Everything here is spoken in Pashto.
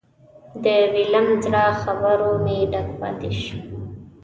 د ویلیم زړه خبرو مې ډک پاتې شو.